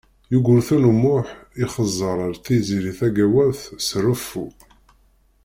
Yugurten U Muḥ ixezzeṛ ar Tiziri Tagawawt s reffu.